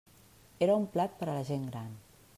Era un plat per a la gent gran.